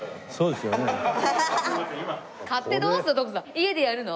家でやるの？